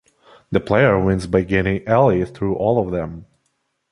The player wins by getting Ollie through all of them.